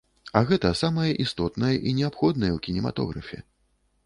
А гэта самае істотнае і неабходнае ў кінематографе.